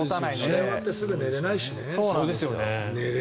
試合終わってすぐ寝れないしね。